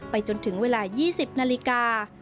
จนถึงเวลา๒๐นาฬิกา